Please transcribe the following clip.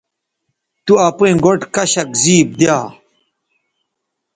تو اپئیں گوٹھ کشک زیب دیا